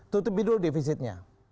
tutupi dulu defisitnya